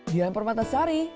di amper matasari